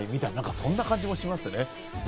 そんな感じもしますね。